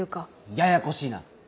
ややこしいな。